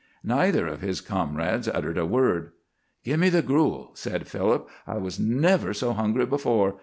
Neither of his comrades uttered a word. "Give me the gruel," said Philip; "I was never so hungry before.